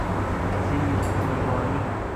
زیر لیوانی